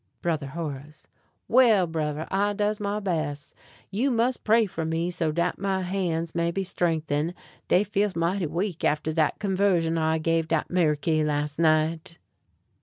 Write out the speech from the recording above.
Brother Horace. Well, Brover, I does my bes'. You mus' pray for me, so dat my han's may be strengthened. Dey feels mighty weak after dat conversion I give dat Meriky las' night.